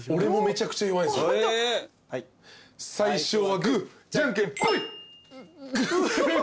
最初はグーじゃんけんぽい！